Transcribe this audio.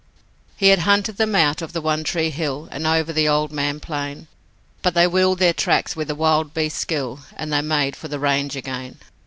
He had hunted them out of the One Tree Hill And over the Old Man Plain, But they wheeled their tracks with a wild beast's skill, And they made for the range again.